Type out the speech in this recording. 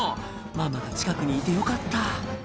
ママが近くにいてよかった